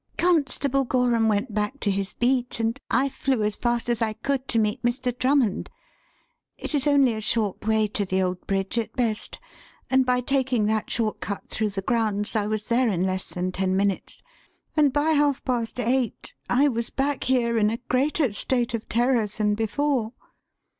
"Constable Gorham went back to his beat, and I flew as fast as I could to meet Mr. Drummond. It is only a short way to the old bridge at best, and by taking that short cut through the grounds, I was there in less than ten minutes. And by half past eight I was back here in a greater state of terror than before."